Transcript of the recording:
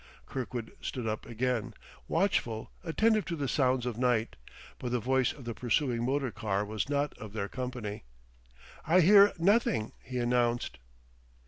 Kirkwood stood up again, watchful, attentive to the sounds of night; but the voice of the pursuing motor car was not of their company. "I hear nothing," he announced.